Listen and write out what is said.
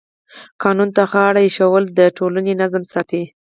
قانون ته غاړه ایښودل د ټولنې نظم ساتي.